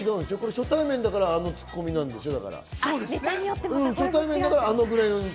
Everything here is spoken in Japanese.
初対面だからあのツッコミなんでしょう。